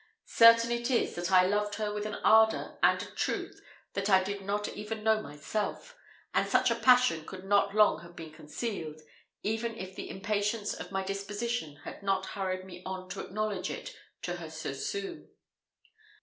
Certain it is, that I loved her with an ardour and a truth that I did not even know myself; and such a passion could not long have been concealed, even if the impatience of my disposition had not hurried me on to acknowledge it to her so soon.